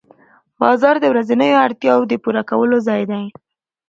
بازار د ورځنیو اړتیاوو د پوره کولو ځای دی